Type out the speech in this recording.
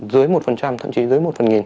dưới một thậm chí dưới một phần nghìn